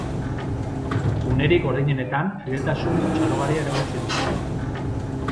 Unerik gordinetan fideltasun txalogarria erakutsi dute.